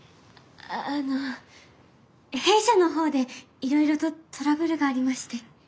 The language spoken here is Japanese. あの弊社の方でいろいろとトラブルがありまして。